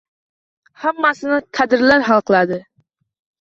«Hammasini kadrlar hal qiladi!»